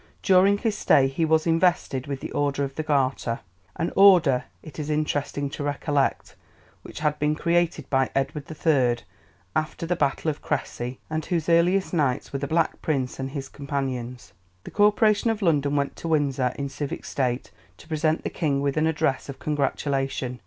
During his stay he was invested with the Order of the Garter an Order, it is interesting to recollect, which had been created by Edward the Third after the Battle of Cressy, and whose earliest knights were the Black Prince and his companions. The Corporation of London went to Windsor in civic state to present the King with an address of congratulation.